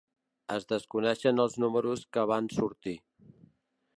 Es desconeixen els números que van sortir.